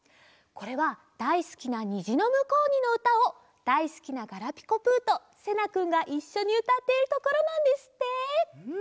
これはだいすきな「にじのむこうに」のうたをだいすきなガラピコぷとせなくんがいっしょにうたっているところなんですって！